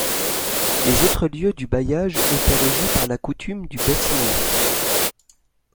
Les autres lieux du bailliage étaient régis par la coutume du Bassigny.